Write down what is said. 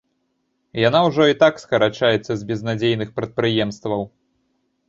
Яна ўжо і так скарачаецца з безнадзейных прадпрыемстваў.